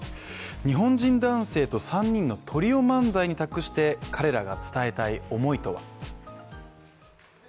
日本人男性と３人のトリオ漫才に託して彼らが伝えたい思いとは。